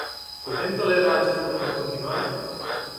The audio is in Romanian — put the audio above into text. Putem tolera acest lucru în continuare?